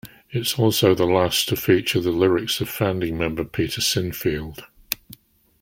It's also the last to feature the lyrics of founding member Peter Sinfield.